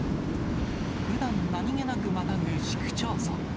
ふだん、何気なくまたぐ市区町村。